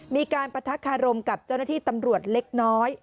มีการปะทะคารมกับเจ้าหน้าที่ตำรวจเล็กน้อย